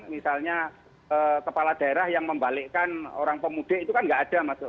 misalnya kepala daerah yang membalikkan orang pemudik itu kan nggak ada mas